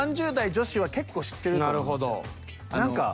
３０代女子は結構知ってると思います。